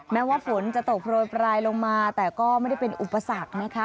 แม้ว่าฝนจะตกโรยปลายลงมาแต่ก็ไม่ได้เป็นอุปสรรคนะคะ